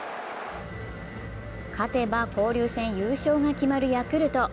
勝てば交流戦優勝が決まるヤクルト。